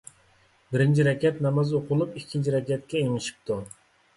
بىرىنچى رەكەت ناماز ئوقۇلۇپ، ئىككىنچى رەكەتكە ئېڭىشىپتۇ.